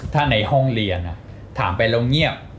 ถ้าในห้องเรียนถามไปแล้วเงียบ